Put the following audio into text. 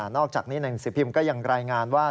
นอกจากนี้แนนสิพิมก็ยังรายงานว่า